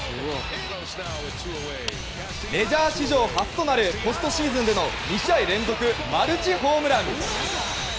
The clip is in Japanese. メジャー史上初となるポストシーズンでの２試合連続マルチホームラン！